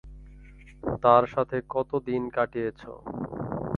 তার সাথে কতোদিন কাটিয়েছো?